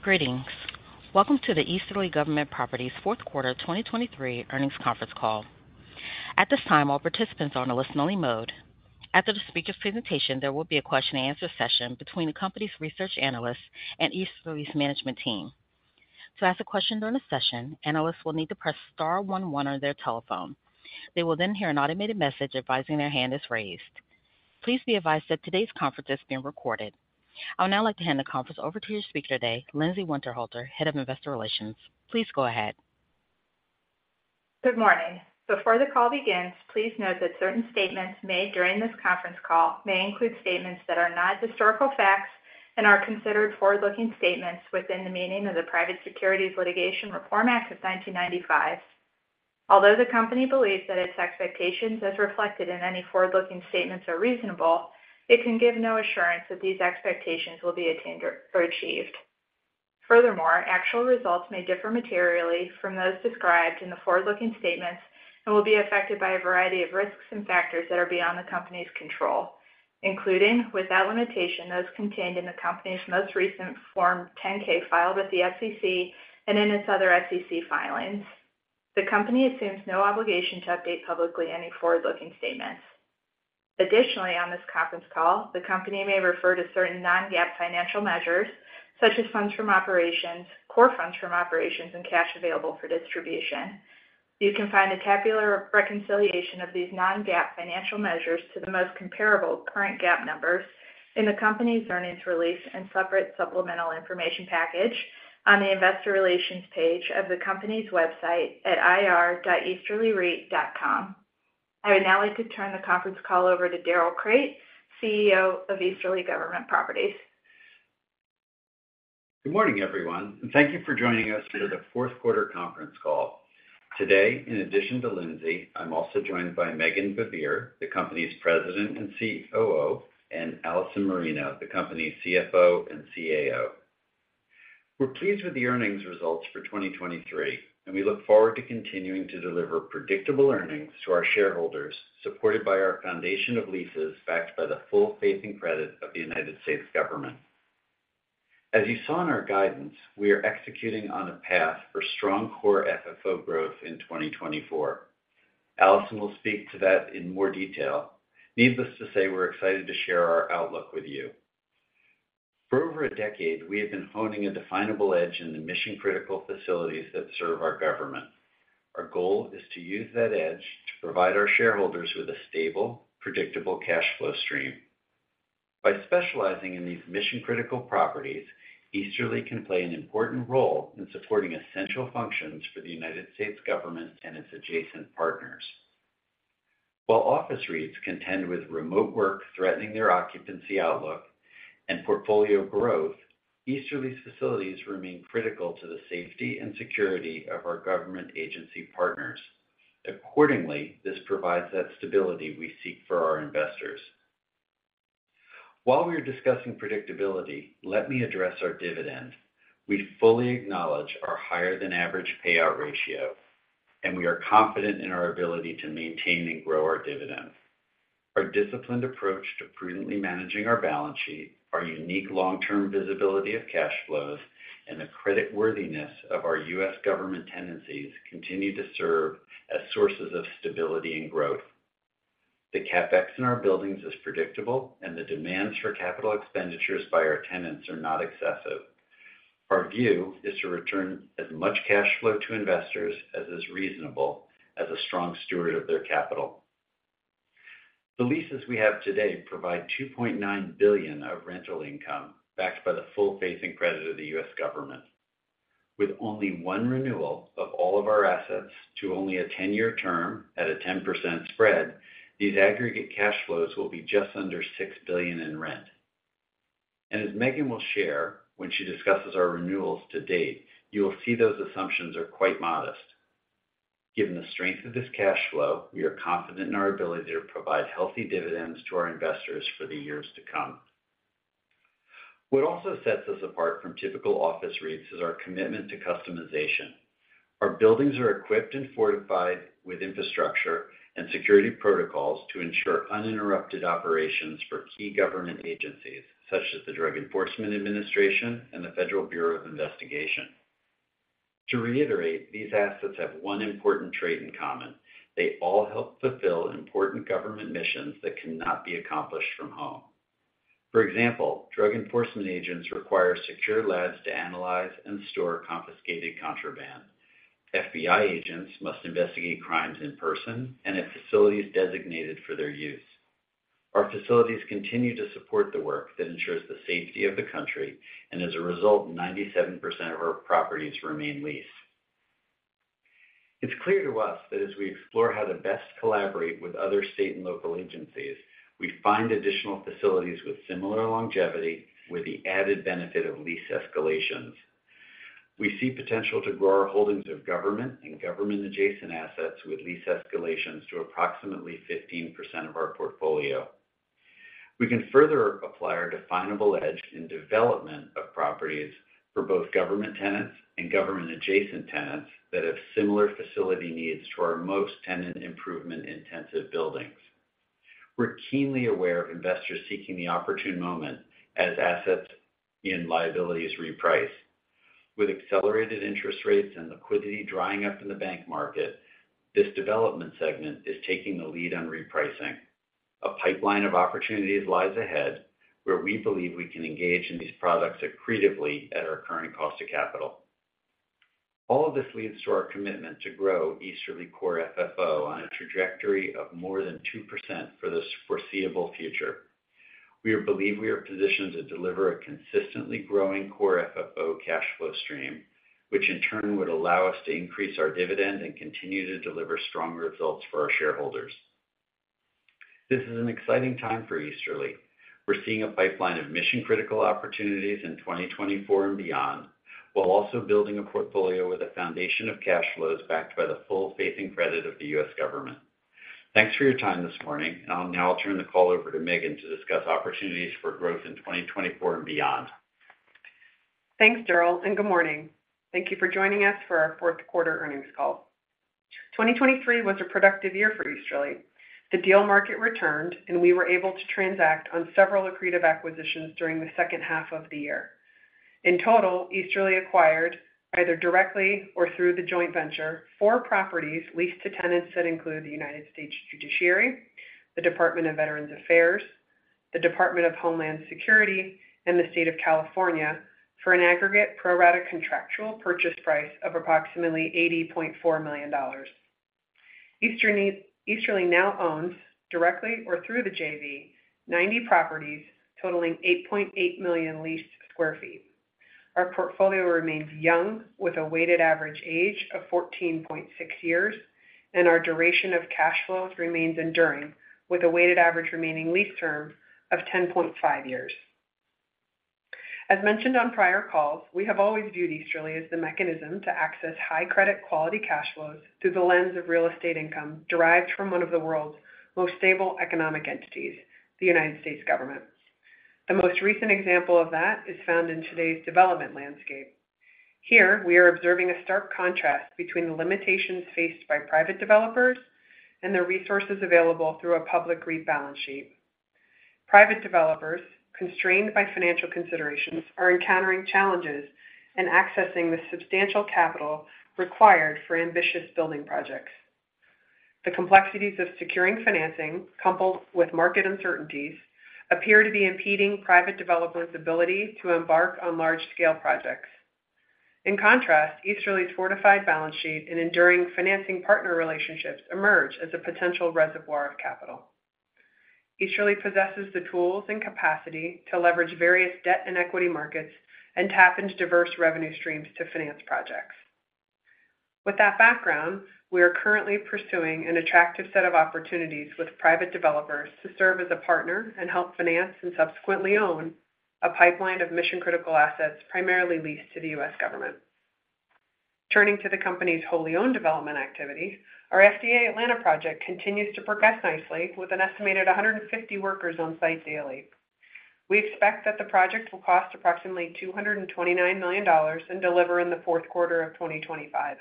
Greetings! Welcome to the Easterly Government Properties Fourth Quarter 2023 Earnings Conference Call. At this time, all participants are on a listen-only mode. After the speaker presentation, there will be a question-and-answer session between the company's research analysts and Easterly's management team. To ask a question during the session, analysts will need to press star one one on their telephone. They will then hear an automated message advising their hand is raised. Please be advised that today's conference is being recorded. I would now like to hand the conference over to your speaker today, Lindsay Winterhalter, Head of Investor Relations. Please go ahead. Good morning. Before the call begins, please note that certain statements made during this conference call may include statements that are not historical facts and are considered forward-looking statements within the meaning of the Private Securities Litigation Reform Act of 1995. Although the company believes that its expectations, as reflected in any forward-looking statements, are reasonable, it can give no assurance that these expectations will be attained or achieved. Furthermore, actual results may differ materially from those described in the forward-looking statements and will be affected by a variety of risks and factors that are beyond the company's control, including, without limitation, those contained in the company's most recent Form 10-K filed with the SEC and in its other SEC filings. The company assumes no obligation to update publicly any forward-looking statements. Additionally, on this conference call, the company may refer to certain non-GAAP financial measures, such as funds from operations, core funds from operations, and cash available for distribution. You can find a tabular reconciliation of these non-GAAP financial measures to the most comparable current GAAP numbers in the company's earnings release and separate supplemental information package on the investor relations page of the company's website at ir.easterlyreit.com. I would now like to turn the conference call over to Darrell Crate, CEO of Easterly Government Properties. Good morning, everyone, and thank you for joining us for the fourth quarter conference call. Today, in addition to Lindsay, I'm also joined by Meghan Baivier, the company's President and COO, and Allison Marino, the company's CFO and CAO. We're pleased with the earnings results for 2023, and we look forward to continuing to deliver predictable earnings to our shareholders, supported by our foundation of leases, backed by the full faith and credit of the United States government. As you saw in our guidance, we are executing on a path for strong core FFO growth in 2024. Allison will speak to that in more detail. Needless to say, we're excited to share our outlook with you. For over a decade, we have been honing a definable edge in the mission-critical facilities that serve our government. Our goal is to use that edge to provide our shareholders with a stable, predictable cash flow stream. By specializing in these mission-critical properties, Easterly can play an important role in supporting essential functions for the United States government and its adjacent partners. While office REITs contend with remote work threatening their occupancy outlook and portfolio growth, Easterly's facilities remain critical to the safety and security of our government agency partners. Accordingly, this provides that stability we seek for our investors. While we are discussing predictability, let me address our dividend. We fully acknowledge our higher-than-average payout ratio, and we are confident in our ability to maintain and grow our dividend. Our disciplined approach to prudently managing our balance sheet, our unique long-term visibility of cash flows, and the creditworthiness of our U.S. government tenancies continue to serve as sources of stability and growth. The CapEx in our buildings is predictable, and the demands for capital expenditures by our tenants are not excessive. Our view is to return as much cash flow to investors as is reasonable as a strong steward of their capital. The leases we have today provide $2.9 billion of rental income, backed by the full faith and credit of the U.S. government. With only one renewal of all of our assets to only a 10-year term at a 10% spread, these aggregate cash flows will be just under $6 billion in rent. And as Meghan will share when she discusses our renewals to date, you will see those assumptions are quite modest. Given the strength of this cash flow, we are confident in our ability to provide healthy dividends to our investors for the years to come. What also sets us apart from typical office REITs is our commitment to customization. Our buildings are equipped and fortified with infrastructure and security protocols to ensure uninterrupted operations for key government agencies, such as the Drug Enforcement Administration and the Federal Bureau of Investigation. To reiterate, these assets have one important trait in common: They all help fulfill important government missions that cannot be accomplished from home. For example, drug enforcement agents require secure labs to analyze and store confiscated contraband. FBI agents must investigate crimes in person and at facilities designated for their use. Our facilities continue to support the work that ensures the safety of the country, and as a result, 97% of our properties remain leased. It's clear to us that as we explore how to best collaborate with other state and local agencies, we find additional facilities with similar longevity with the added benefit of lease escalations. We see potential to grow our holdings of government and government-adjacent assets with lease escalations to approximately 15% of our portfolio. We can further apply our definable edge in development properties for both government tenants and government adjacent tenants that have similar facility needs to our most tenant improvement intensive buildings. We're keenly aware of investors seeking the opportune moment as assets and liabilities reprice. With accelerated interest rates and liquidity drying up in the bank market, this development segment is taking the lead on repricing. A pipeline of opportunities lies ahead, where we believe we can engage in these products accretively at our current cost of capital. All of this leads to our commitment to grow Easterly Core FFO on a trajectory of more than 2% for the foreseeable future. We believe we are positioned to deliver a consistently growing Core FFO cash flow stream, which in turn would allow us to increase our dividend and continue to deliver strong results for our shareholders. This is an exciting time for Easterly. We're seeing a pipeline of mission-critical opportunities in 2024 and beyond, while also building a portfolio with a foundation of cash flows backed by the full faith and credit of the U.S. government. Thanks for your time this morning. I'll now turn the call over to Meghan to discuss opportunities for growth in 2024 and beyond. Thanks, Darrell, and good morning. Thank you for joining us for our fourth quarter earnings call. 2023 was a productive year for Easterly. The deal market returned, and we were able to transact on several accretive acquisitions during the second half of the year. In total, Easterly acquired, either directly or through the joint venture, 4 properties leased to tenants that include the United States Judiciary, the Department of Veterans Affairs, the Department of Homeland Security, and the State of California, for an aggregate pro rata contractual purchase price of approximately $80.4 million. Easterly now owns, directly or through the JV, 90 properties totaling 8.8 million leased sq ft. Our portfolio remains young, with a weighted average age of 14.6 years, and our duration of cash flows remains enduring, with a weighted average remaining lease term of 10.5 years. As mentioned on prior calls, we have always viewed Easterly as the mechanism to access high credit quality cash flows through the lens of real estate income, derived from one of the world's most stable economic entities, the U.S. government. The most recent example of that is found in today's development landscape. Here, we are observing a stark contrast between the limitations faced by private developers and the resources available through a public REIT balance sheet. Private developers, constrained by financial considerations, are encountering challenges in accessing the substantial capital required for ambitious building projects. The complexities of securing financing, coupled with market uncertainties, appear to be impeding private developers' ability to embark on large-scale projects. In contrast, Easterly's fortified balance sheet and enduring financing partner relationships emerge as a potential reservoir of capital. Easterly possesses the tools and capacity to leverage various debt and equity markets and tap into diverse revenue streams to finance projects. With that background, we are currently pursuing an attractive set of opportunities with private developers to serve as a partner and help finance and subsequently own a pipeline of mission-critical assets, primarily leased to the U.S. government. Turning to the company's wholly owned development activity, our FDA Atlanta project continues to progress nicely, with an estimated 150 workers on site daily. We expect that the project will cost approximately $229 million and deliver in the fourth quarter of 2025.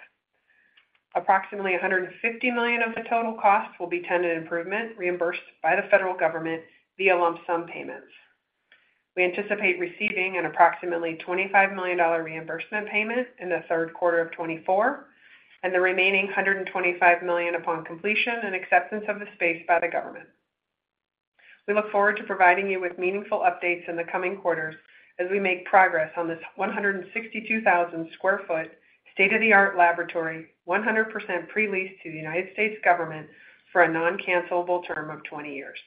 Approximately $150 million of the total costs will be tenant improvement, reimbursed by the federal government via lump sum payments. We anticipate receiving an approximately $25 million reimbursement payment in the third quarter of 2024, and the remaining $125 million upon completion and acceptance of the space by the government. We look forward to providing you with meaningful updates in the coming quarters as we make progress on this 162,000 sq ft, state-of-the-art laboratory, 100% pre-leased to the United States government for a non-cancelable term of 20 years.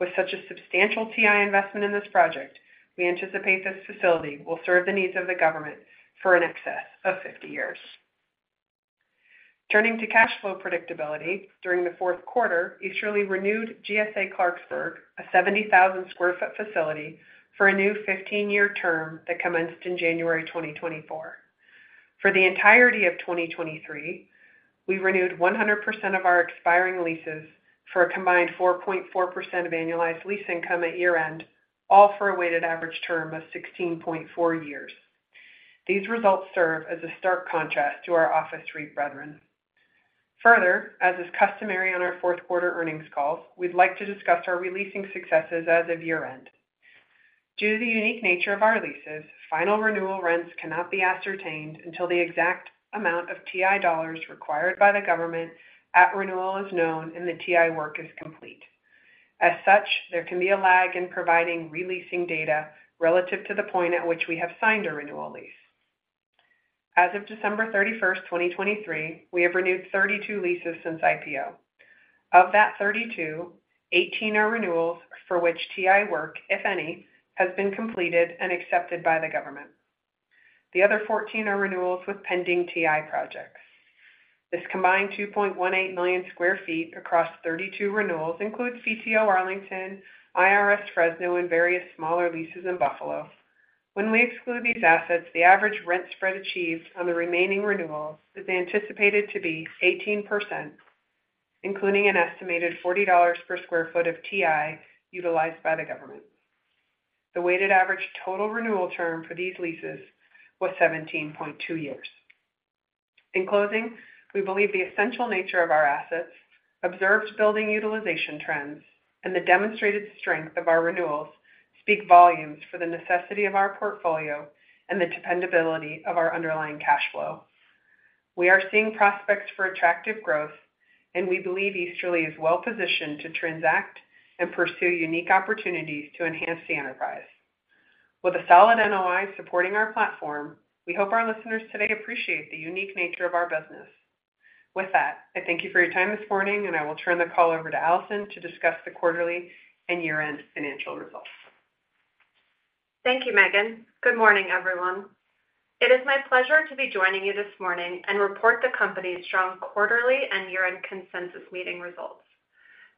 With such a substantial TI investment in this project, we anticipate this facility will serve the needs of the government for in excess of 50 years. Turning to cash flow predictability, during the fourth quarter, Easterly renewed GSA Clarksburg, a 70,000 sq ft facility, for a new 15-year term that commenced in January 2024. For the entirety of 2023, we renewed 100% of our expiring leases for a combined 4.4% of annualized lease income at year-end, all for a weighted average term of 16.4 years. These results serve as a stark contrast to our office REIT brethren. Further, as is customary on our fourth quarter earnings calls, we'd like to discuss our re-leasing successes as of year-end. Due to the unique nature of our leases, final renewal rents cannot be ascertained until the exact amount of TI dollars required by the government at renewal is known, and the TI work is complete. As such, there can be a lag in providing re-leasing data relative to the point at which we have signed a renewal lease. As of December 31, 2023, we have renewed 32 leases since IPO. Of that 32, 18 are renewals for which TI work, if any, has been completed and accepted by the government. The other 14 are renewals with pending TI projects. This combined 2.18 million sq ft across 32 renewals includes CCO Arlington, IRS Fresno, and various smaller leases in Buffalo. When we exclude these assets, the average rent spread achieved on the remaining renewals is anticipated to be 18%, including an estimated $40 per sq ft of TI utilized by the government. The weighted average total renewal term for these leases was 17.2 years. In closing, we believe the essential nature of our assets, observed building utilization trends, and the demonstrated strength of our renewals speak volumes for the necessity of our portfolio and the dependability of our underlying cash flow. We are seeing prospects for attractive growth, and we believe Easterly is well positioned to transact and pursue unique opportunities to enhance the enterprise. With a solid NOI supporting our platform, we hope our listeners today appreciate the unique nature of our business. With that, I thank you for your time this morning, and I will turn the call over to Allison to discuss the quarterly and year-end financial results. Thank you, Meghan. Good morning, everyone. It is my pleasure to be joining you this morning and report the company's strong quarterly and year-end consensus meeting results.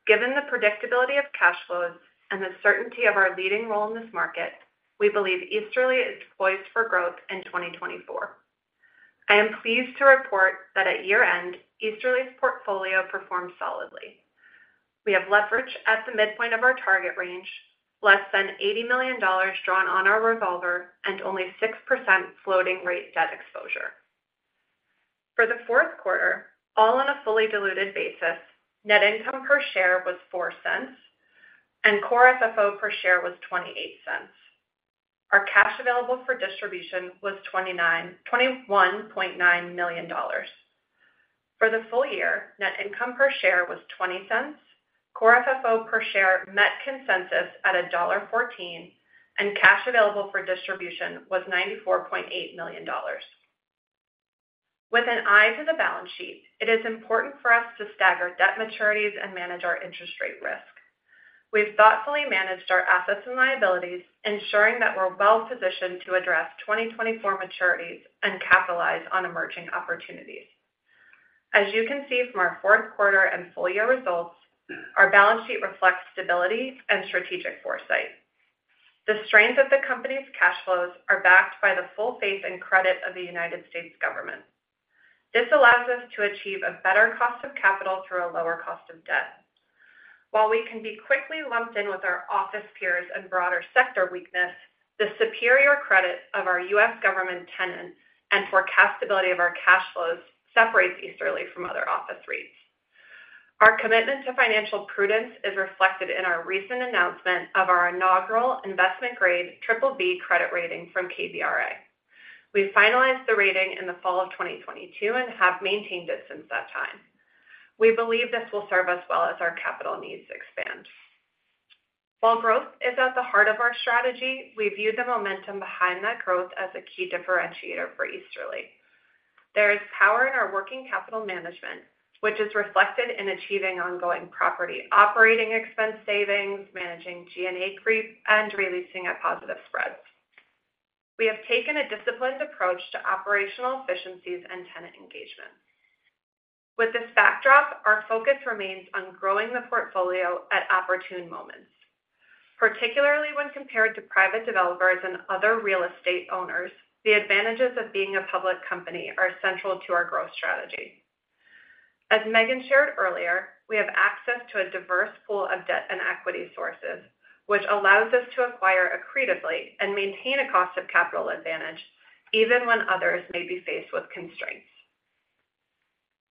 Given the predictability of cash flows and the certainty of our leading role in this market, we believe Easterly is poised for growth in 2024. I am pleased to report that at year-end, Easterly's portfolio performed solidly. We have leverage at the midpoint of our target range, less than $80 million drawn on our revolver, and only 6% floating rate debt exposure. For the fourth quarter, all on a fully diluted basis, net income per share was $0.04, and Core FFO per share was $0.28. Our cash available for distribution was $21.9 million. For the full year, net income per share was $0.20, Core FFO per share met consensus at $1.14, and cash available for distribution was $94.8 million. With an eye to the balance sheet, it is important for us to stagger debt maturities and manage our interest rate risk. We've thoughtfully managed our assets and liabilities, ensuring that we're well positioned to address 2024 maturities and capitalize on emerging opportunities. As you can see from our fourth quarter and full year results, our balance sheet reflects stability and strategic foresight. The strength of the company's cash flows are backed by the full faith and credit of the United States government. This allows us to achieve a better cost of capital through a lower cost of debt. While we can be quickly lumped in with our office peers and broader sector weakness, the superior credit of our U.S. Government tenants and forecastability of our cash flows separates Easterly from other office REITs. Our commitment to financial prudence is reflected in our recent announcement of our inaugural investment grade BBB credit rating from KBRA. We finalized the rating in the fall of 2022 and have maintained it since that time. We believe this will serve us well as our capital needs expand. While growth is at the heart of our strategy, we view the momentum behind that growth as a key differentiator for Easterly. There is power in our working capital management, which is reflected in achieving ongoing property operating expense savings, managing G&A creep, and re-leasing at positive spreads. We have taken a disciplined approach to operational efficiencies and tenant engagement. With this backdrop, our focus remains on growing the portfolio at opportune moments. Particularly when compared to private developers and other real estate owners, the advantages of being a public company are central to our growth strategy. As Meghan shared earlier, we have access to a diverse pool of debt and equity sources, which allows us to acquire accretively and maintain a cost of capital advantage, even when others may be faced with constraints.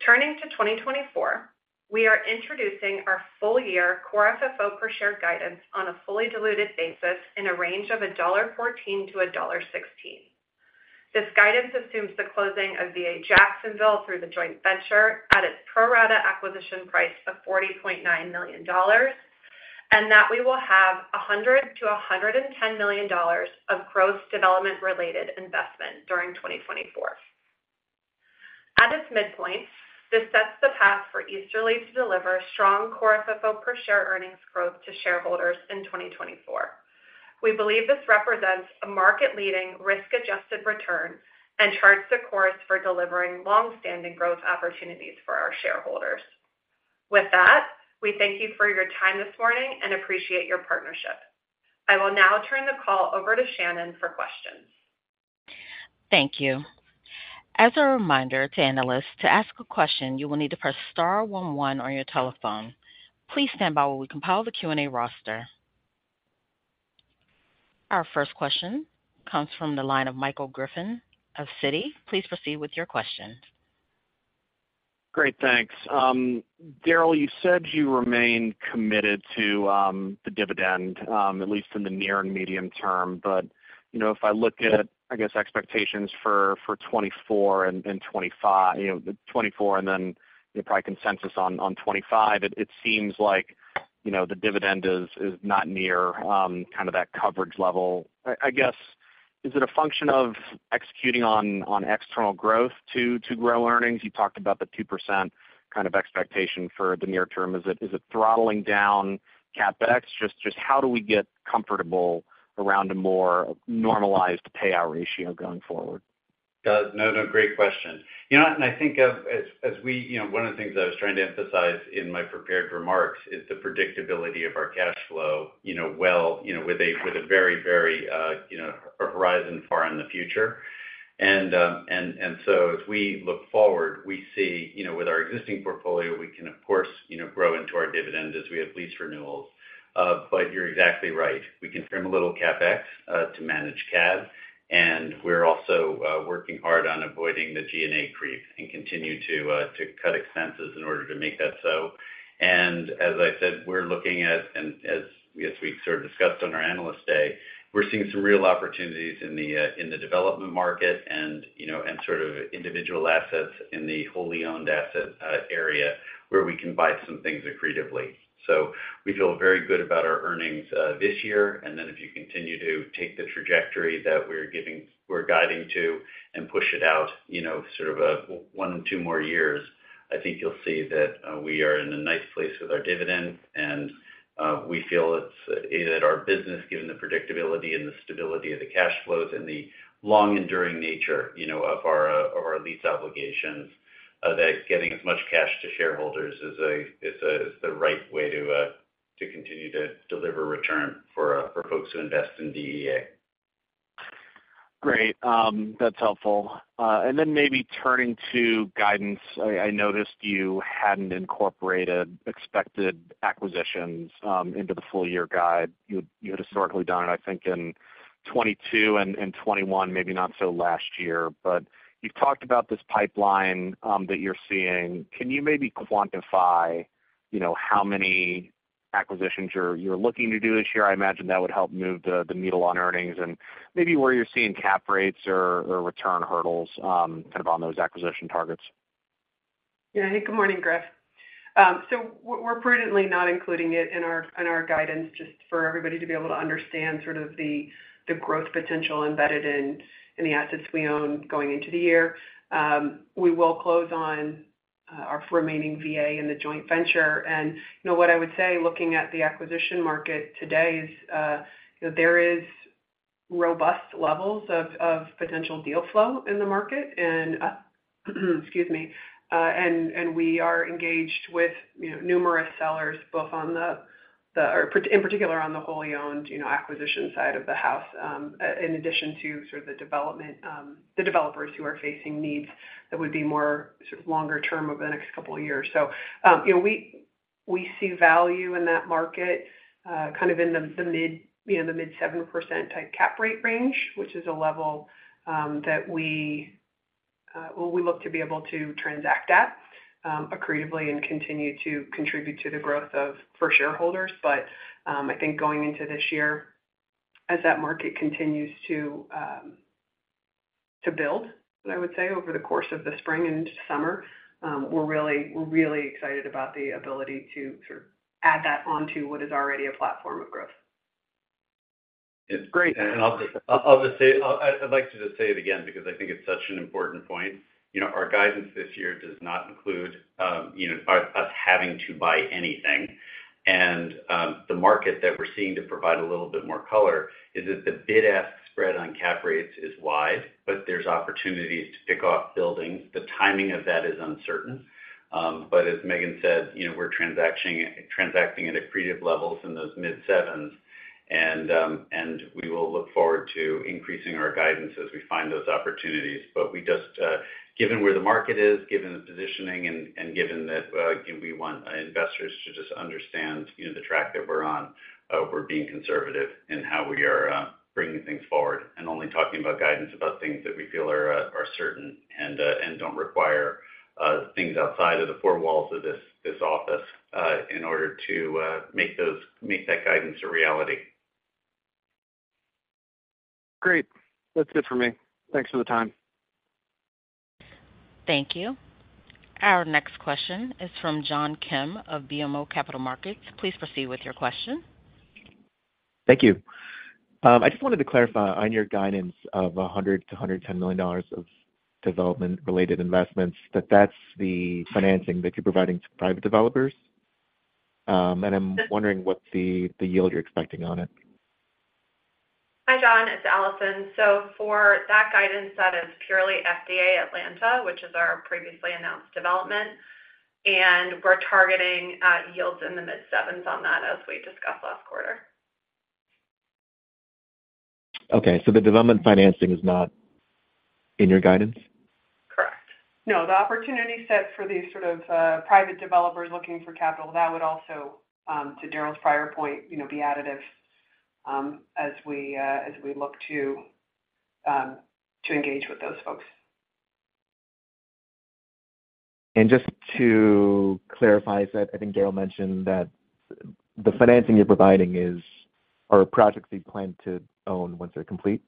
Turning to 2024, we are introducing our full year core FFO per share guidance on a fully diluted basis in a range of $1.14-$1.16. This guidance assumes the closing of VA Jacksonville through the joint venture at its pro rata acquisition price of $40.9 million, and that we will have $100 million-$110 million of gross development-related investment during 2024. At its midpoint, this sets the path for Easterly to deliver strong Core FFO per share earnings growth to shareholders in 2024. We believe this represents a market-leading, risk-adjusted return and charts the course for delivering longstanding growth opportunities for our shareholders. With that, we thank you for your time this morning and appreciate your partnership. I will now turn the call over to Shannon for questions. Thank you. As a reminder to analysts, to ask a question, you will need to press star one one on your telephone. Please stand by while we compile the Q&A roster. Our first question comes from the line of Michael Griffin of Citi. Please proceed with your question. Great, thanks. Darrell, you said you remain committed to the dividend, at least in the near and medium term. But, you know, if I look at, I guess, expectations for 2024 and then the probably consensus on 2025, it seems like, you know, the dividend is not near kind of that coverage level. I guess, is it a function of executing on external growth to grow earnings? You talked about the 2% kind of expectation for the near term. Is it throttling down CapEx? Just, just how do we get comfortable around a more normalized payout ratio going forward? No, no, great question. You know what? You know, one of the things I was trying to emphasize in my prepared remarks is the predictability of our cash flow, you know. Well, you know, with a, with a very, very, you know, a horizon far in the future.... And so as we look forward, we see, you know, with our existing portfolio, we can, of course, you know, grow into our dividend as we have lease renewals. But you're exactly right. We can trim a little CapEx to manage CAD, and we're also working hard on avoiding the G&A creep and continue to cut expenses in order to make that so. And as I said, we're looking at, and as we sort of discussed on our Analyst Day, we're seeing some real opportunities in the development market and, you know, and sort of individual assets in the wholly owned asset area, where we can buy some things accretively. So we feel very good about our earnings this year. And then if you continue to take the trajectory that we're guiding to and push it out, you know, sort of, one or two more years, I think you'll see that, we are in a nice place with our dividend. And, we feel it's that our business, given the predictability and the stability of the cash flows and the long enduring nature, you know, of our, of our lease obligations, that getting as much cash to shareholders is the right way to, to continue to deliver return for, for folks who invest in DEA. Great. That's helpful. And then maybe turning to guidance, I noticed you hadn't incorporated expected acquisitions into the full year guide. You had historically done it, I think in 2022 and 2021, maybe not so last year. But you've talked about this pipeline that you're seeing. Can you maybe quantify, you know, how many acquisitions you're looking to do this year? I imagine that would help move the needle on earnings, and maybe where you're seeing cap rates or return hurdles kind of on those acquisition targets. Yeah. Hey, good morning, Griff. So we're prudently not including it in our guidance just for everybody to be able to understand sort of the growth potential embedded in the assets we own going into the year. We will close on our remaining VA in the joint venture. You know, what I would say, looking at the acquisition market today is, you know, there is robust levels of potential deal flow in the market, and we are engaged with, you know, numerous sellers, both on the in particular, on the wholly owned, you know, acquisition side of the house, in addition to sort of the development, the developers who are facing needs that would be more sort of longer term over the next couple of years. So, you know, we see value in that market, kind of in the mid, you know, the mid-7% type cap rate range, which is a level that we well, we look to be able to transact at, accretively and continue to contribute to the growth for shareholders. But, I think going into this year, as that market continues to build, I would say, over the course of the spring and summer, we're really, we're really excited about the ability to sort of add that onto what is already a platform of growth. It's great. And I'll just say, I'd like to just say it again because I think it's such an important point. You know, our guidance this year does not include you know, us having to buy anything. And the market that we're seeing, to provide a little bit more color, is that the bid-ask spread on cap rates is wide, but there's opportunities to pick off buildings. The timing of that is uncertain. But as Meghan said, you know, we're transacting at accretive levels in those mid sevens. And we will look forward to increasing our guidance as we find those opportunities. But we just given where the market is, given the positioning and given that, we want investors to just understand, you know, the track that we're on, we're being conservative in how we are bringing things forward and only talking about guidance about things that we feel are certain and don't require things outside of the four walls of this office, in order to make that guidance a reality. Great. That's it for me. Thanks for the time. Thank you. Our next question is from John Kim of BMO Capital Markets. Please proceed with your question. Thank you. I just wanted to clarify on your guidance of $100 million-$110 million of development-related investments, that that's the financing that you're providing to private developers? And I'm wondering what's the yield you're expecting on it. Hi, John, it's Allison. So for that guidance, that is purely FDA Atlanta, which is our previously announced development, and we're targeting yields in the mid sevens on that, as we discussed last quarter. Okay, so the development financing is not in your guidance? Correct. No, the opportunity set for these sort of private developers looking for capital, that would also to Darrell's prior point, you know, be additive, as we look to engage with those folks. And just to clarify, so I think Darrell mentioned that the financing you're providing are projects that you plan to own once they're complete?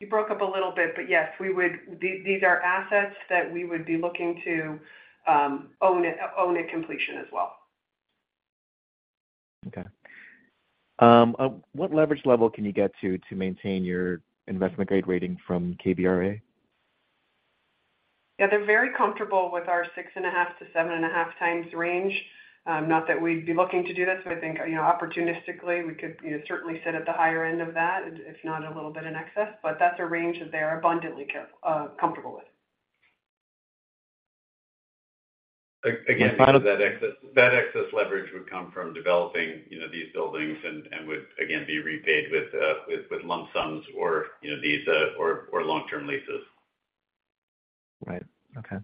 You broke up a little bit, but yes, we would. These, these are assets that we would be looking to own at, own at completion as well. Okay. What leverage level can you get to, to maintain your investment grade rating from KBRA? Yeah, they're very comfortable with our 6.5-7.5 times range. Not that we'd be looking to do this, but I think, you know, opportunistically, we could, you know, certainly sit at the higher end of that, if not a little bit in excess, but that's a range that they are abundantly comfortable with. ... Again, that excess leverage would come from developing, you know, these buildings and would again be repaid with lump sums or, you know, these or long-term leases. Right. Okay.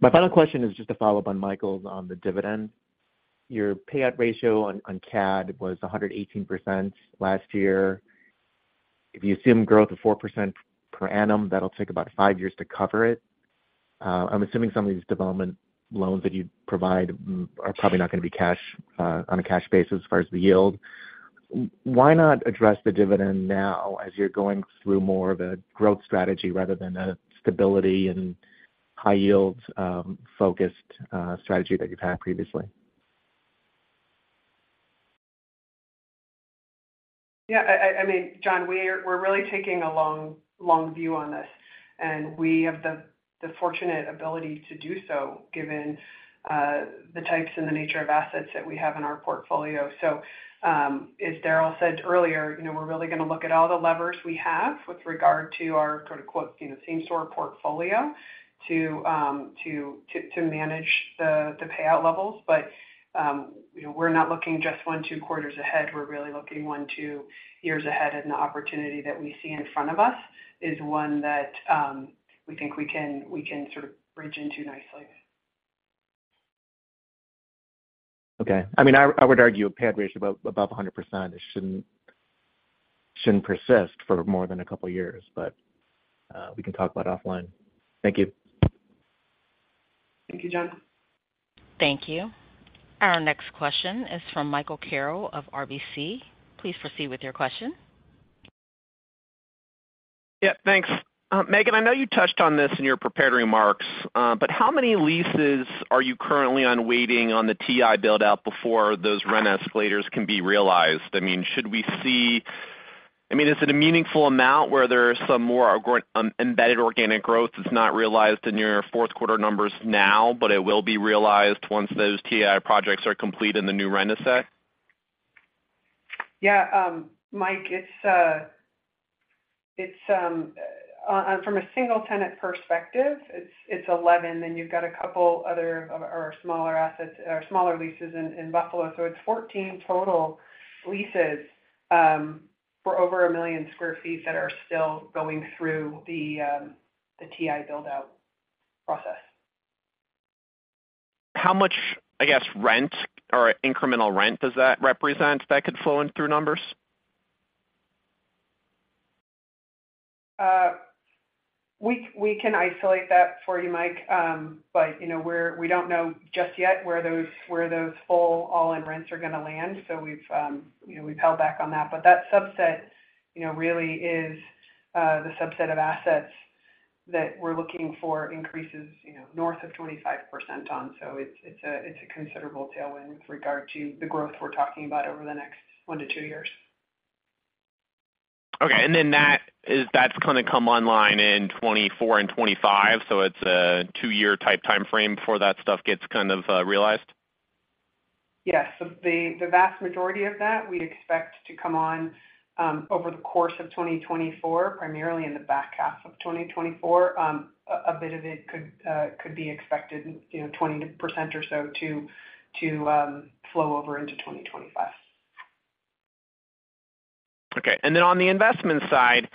My final question is just a follow-up on Michael's on the dividend. Your payout ratio on, on CAD was 118% last year. If you assume growth of 4% per annum, that'll take about 5 years to cover it. I'm assuming some of these development loans that you provide are probably not going to be cash, on a cash basis as far as the yield. Why not address the dividend now as you're going through more of a growth strategy rather than a stability and high yield, focused, strategy that you've had previously? Yeah, I mean, John, we're really taking a long, long view on this, and we have the fortunate ability to do so, given the types and the nature of assets that we have in our portfolio. So, as Darrell said earlier, you know, we're really going to look at all the levers we have with regard to our quote, unquote, "same store portfolio" to manage the payout levels. But, you know, we're not looking just one, two quarters ahead. We're really looking one, two years ahead, and the opportunity that we see in front of us is one that we think we can sort of bridge into nicely. Okay. I mean, I would argue a payout ratio above 100% shouldn't persist for more than a couple of years, but we can talk about it offline. Thank you. Thank you, John. Thank you. Our next question is from Michael Carroll of RBC. Please proceed with your question. Yeah, thanks. Meghan, I know you touched on this in your prepared remarks, but how many leases are you currently on waiting on the TI build-out before those rent escalators can be realized? I mean, is it a meaningful amount where there are some more embedded organic growth that's not realized in your fourth quarter numbers now, but it will be realized once those TI projects are complete in the new rent set? Yeah, Mike, it's from a single tenant perspective, it's 11, then you've got a couple other of our smaller assets or smaller leases in Buffalo, so it's 14 total leases for over 1 million sq ft that are still going through the TI build-out process. How much, I guess, rent or incremental rent does that represent that could flow in through numbers? We can isolate that for you, Mike. But, you know, we don't know just yet where those full all-in rents are going to land. So we've, you know, we've held back on that. But that subset, you know, really is the subset of assets that we're looking for increases, you know, north of 25% on. So it's a considerable tailwind with regard to the growth we're talking about over the next 1-2 years. Okay, and then that's going to come online in 2024 and 2025, so it's a two-year type timeframe before that stuff gets kind of realized? Yes. So the vast majority of that, we expect to come on over the course of 2024, primarily in the back half of 2024. A bit of it could be expected, in 20% or so, to flow over into 2025. Okay. On the investment side,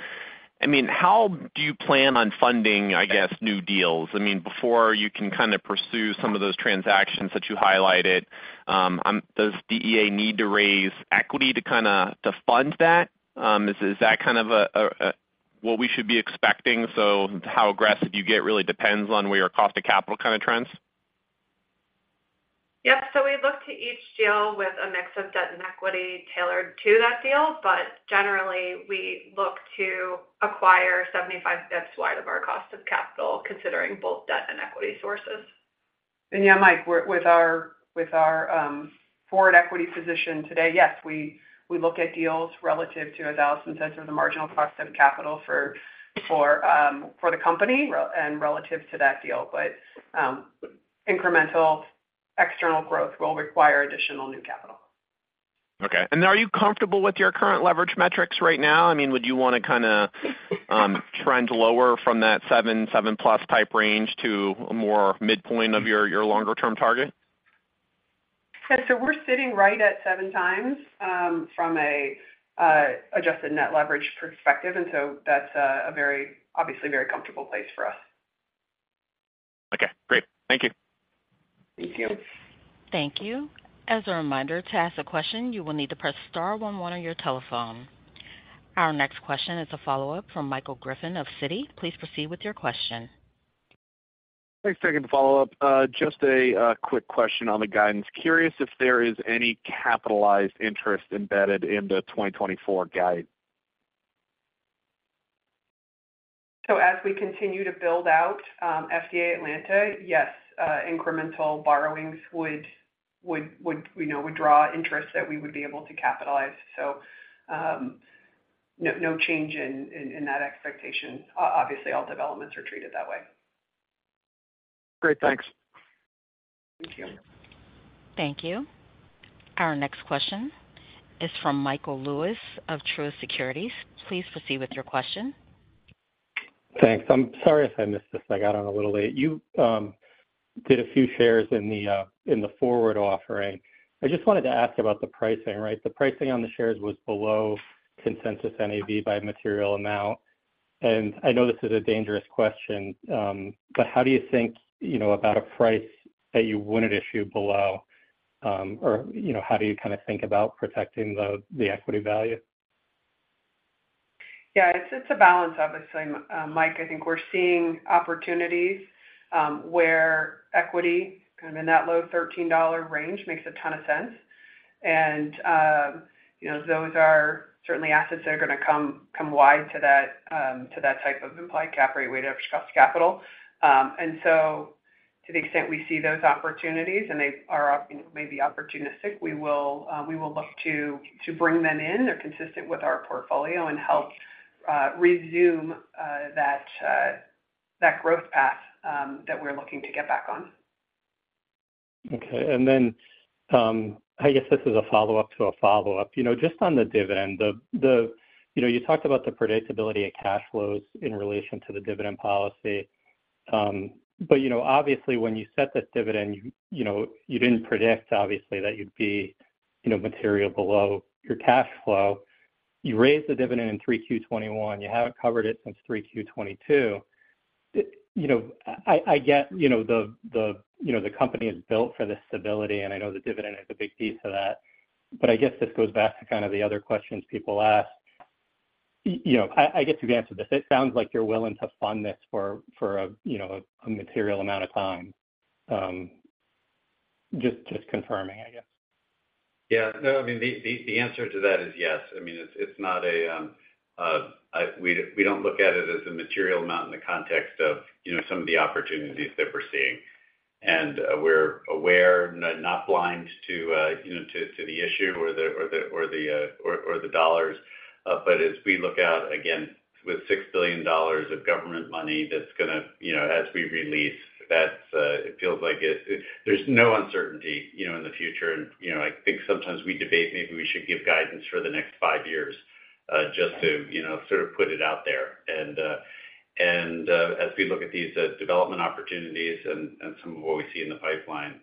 I mean, how do you plan on funding, I guess, new deals? I mean, before you can kind of pursue some of those transactions that you highlighted, does DEA need to raise equity to kind of, to fund that? Is that kind of what we should be expecting, so how aggressive you get really depends on where your cost of capital kind of trends? Yep. So we look to each deal with a mix of debt and equity tailored to that deal, but generally, we look to acquire 75 basis points wide of our cost of capital, considering both debt and equity sources. Yeah, Mike, with our forward equity position today, yes, we look at deals relative to $10 of the marginal cost of capital for the company and relative to that deal. But incremental external growth will require additional new capital. Okay. And are you comfortable with your current leverage metrics right now? I mean, would you want to kind of trend lower from that 7.7+ type range to a more midpoint of your longer-term target? Yeah, so we're sitting right at 7x from an adjusted net leverage perspective, and so that's a very obviously very comfortable place for us. Okay, great. Thank you. Thank you. Thank you. As a reminder, to ask a question, you will need to press star one one on your telephone. Our next question is a follow-up from Michael Griffin of Citi. Please proceed with your question. Thanks. Thank you. To follow up, just a quick question on the guidance. Curious if there is any capitalized interest embedded in the 2024 guide? So as we continue to build out FDA Atlanta, yes, incremental borrowings would, you know, draw interest that we would be able to capitalize. So, no change in that expectation. Obviously, all developments are treated that way. Great. Thanks. Thank you. Thank you. Our next question is from Michael Lewis of Truist Securities. Please proceed with your question.... Thanks. I'm sorry if I missed this. I got on a little late. You did a few shares in the forward offering. I just wanted to ask about the pricing, right? The pricing on the shares was below consensus NAV by a material amount. And I know this is a dangerous question, but how do you think, you know, about a price that you wouldn't issue below, or, you know, how do you kind of think about protecting the equity value? Yeah, it's a balance, obviously, Mike. I think we're seeing opportunities where equity, kind of in that low $13 range, makes a ton of sense. And you know, those are certainly assets that are gonna come wide to that, to that type of implied cap rate, weighted average cost of capital. And so to the extent we see those opportunities, and they are, you know, maybe opportunistic, we will look to bring them in. They're consistent with our portfolio and help resume that growth path that we're looking to get back on. Okay. Then, I guess this is a follow-up to a follow-up. You know, just on the dividend, the-- you know, you talked about the predictability of cash flows in relation to the dividend policy. But, you know, obviously, when you set this dividend, you, you know, you didn't predict, obviously, that you'd be, you know, material below your cash flow. You raised the dividend in 3Q 2021, you haven't covered it since 3Q 2022. You know, I get, you know, the, the, you know, the company is built for this stability, and I know the dividend is a big piece of that. But I guess this goes back to kind of the other questions people ask. You know, I guess you answered this. It sounds like you're willing to fund this for a, you know, a material amount of time. Just confirming, I guess. Yeah. No, I mean, the answer to that is yes. I mean, it's not a we don't look at it as a material amount in the context of, you know, some of the opportunities that we're seeing. And, we're aware, not blind to, you know, to the issue or the dollars. But as we look out, again, with $6 billion of government money, that's gonna, you know, as we release, that's, it feels like it. There's no uncertainty, you know, in the future. And, you know, I think sometimes we debate, maybe we should give guidance for the next five years, just to, you know, sort of put it out there. As we look at these development opportunities and some of what we see in the pipeline,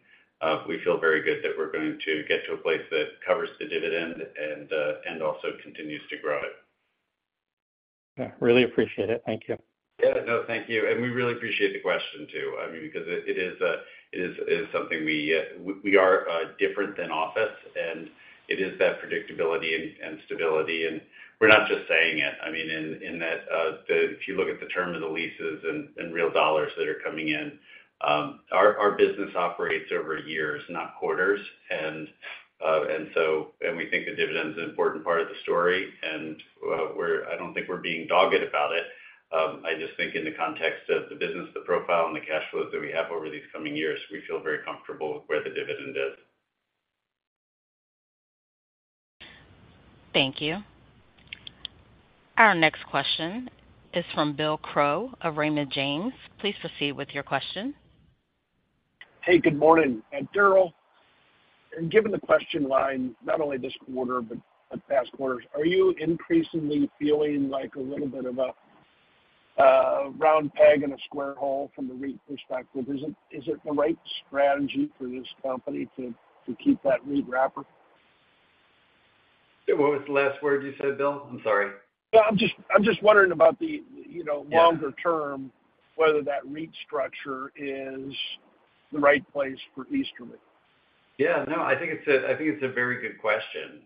we feel very good that we're going to get to a place that covers the dividend and also continues to grow it. Yeah, really appreciate it. Thank you. Yeah. No, thank you. We really appreciate the question, too. I mean, because it is something we are different than office, and it is that predictability and stability, and we're not just saying it. I mean, in that, if you look at the term of the leases and real dollars that are coming in, our business operates over years, not quarters. And so we think the dividend is an important part of the story, and we're. I don't think we're being dogged about it. I just think in the context of the business, the profile and the cash flows that we have over these coming years, we feel very comfortable with where the dividend is. Thank you. Our next question is from Bill Crow of Raymond James. Please proceed with your question. Hey, good morning. Darrell, given the question line, not only this quarter, but the past quarters, are you increasingly feeling like a little bit of a, round peg in a square hole from the REIT perspective? Is it, is it the right strategy for this company to, to keep that REIT wrapper? What was the last word you said, Bill? I'm sorry. Yeah, I'm just wondering about the, you know- Yeah... longer term, whether that REIT structure is the right place for Easterly. Yeah. No, I think it's a, I think it's a very good question.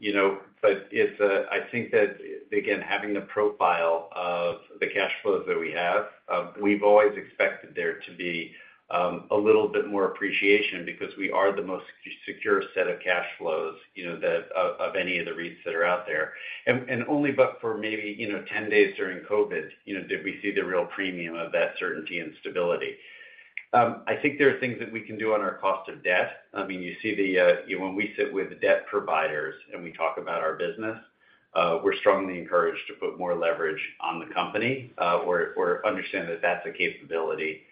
You know, but it's, I think that, again, having the profile of the cash flows that we have, we've always expected there to be a little bit more appreciation because we are the most secure set of cash flows, you know, that, of, of any of the REITs that are out there. And, and only but for maybe, you know, 10 days during COVID, you know, did we see the real premium of that certainty and stability. I think there are things that we can do on our cost of debt. I mean, you see the... When we sit with the debt providers and we talk about our business, we're strongly encouraged to put more leverage on the company, or, or understand that that's a capability.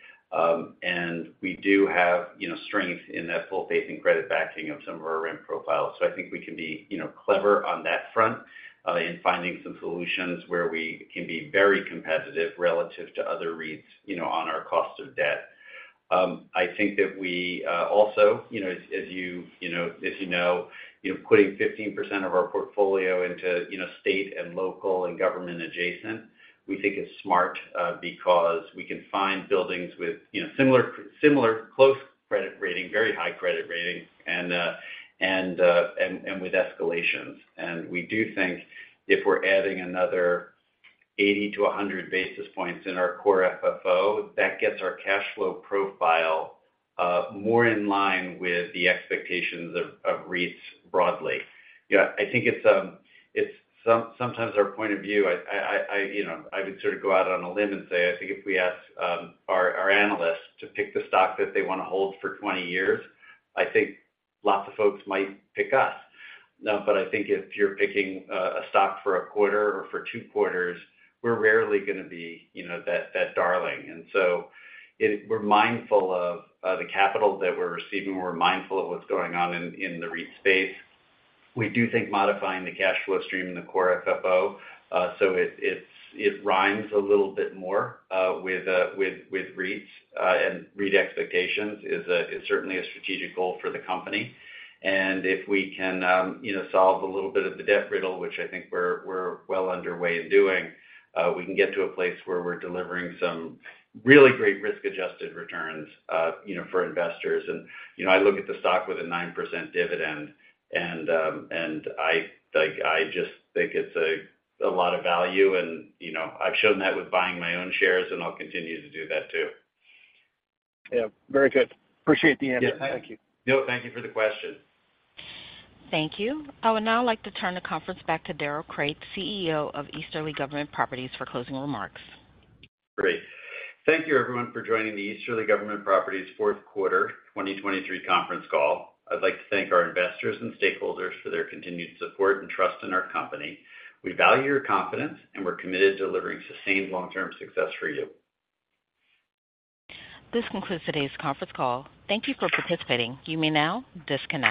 And we do have, you know, strength in that full faith and credit backing of some of our rent profiles. So I think we can be, you know, clever on that front, in finding some solutions where we can be very competitive relative to other REITs, you know, on our cost of debt. I think that we also, you know, as you know, putting 15% of our portfolio into, you know, state and local and government adjacent, we think is smart, because we can find buildings with, you know, similar close credit rating, very high credit rating, and with escalations. And we do think if we're adding another 80-100 basis points in our Core FFO, that gets our cash flow profile more in line with the expectations of REITs broadly. You know, I think it's sometimes our point of view. You know, I would sort of go out on a limb and say, I think if we ask our analysts to pick the stock that they want to hold for 20 years, I think lots of folks might pick us. But I think if you're picking a stock for a quarter or for two quarters, we're rarely gonna be, you know, that darling. And so we're mindful of the capital that we're receiving, we're mindful of what's going on in the REIT space. We do think modifying the cash flow stream and the Core FFO, so it rhymes a little bit more with REITs and REIT expectations, is certainly a strategic goal for the company. And if we can, you know, solve a little bit of the debt riddle, which I think we're well underway in doing, we can get to a place where we're delivering some really great risk-adjusted returns, you know, for investors. And, you know, I look at the stock with a 9% dividend, and I, like, I just think it's a lot of value and, you know, I've shown that with buying my own shares, and I'll continue to do that, too. Yeah, very good. Appreciate the answer. Yeah. Thank you. No, thank you for the question. Thank you. I would now like to turn the conference back to Darrell Crate, CEO of Easterly Government Properties, for closing remarks. Great. Thank you, everyone, for joining the Easterly Government Properties Fourth Quarter 2023 Conference Call. I'd like to thank our investors and stakeholders for their continued support and trust in our company. We value your confidence, and we're committed to delivering sustained long-term success for you. This concludes today's conference call. Thank you for participating. You may now disconnect.